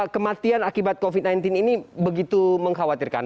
kematian akibat covid sembilan belas ini begitu mengkhawatirkan